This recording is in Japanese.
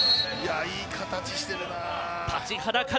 いい形してるな。